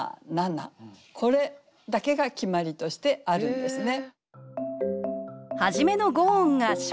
これだけが決まりとしてあるんですね。